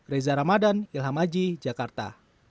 reza ramadan ilham aji jakarta